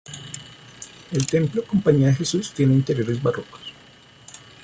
El templo Compañía de Jesús tiene interiores barrocos.